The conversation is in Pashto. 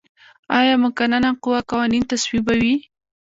آیا مقننه قوه قوانین تصویبوي؟